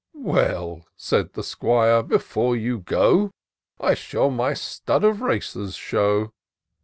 "Well," said the 'Squire, " before you go, I shall my stud of racers show."